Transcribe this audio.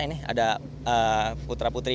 ini ada putra putri